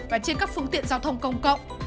và trên các phương tiện giao thông công cộng